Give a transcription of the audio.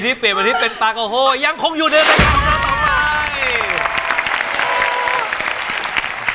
แต่ยังคงอยู่ในประกับเรื่องต่อไป